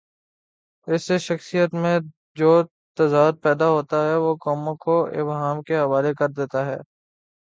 اس سے شخصیت میں جو تضاد پیدا ہوتاہے، وہ قوموں کو ابہام کے حوالے کر دیتا ہے۔